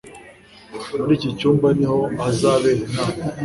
Muri iki cyumba niho hazabera inama